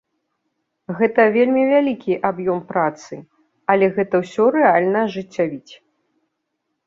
Гэта вельмі вялікі аб'ём працы, але гэта ўсё рэальна ажыццявіць.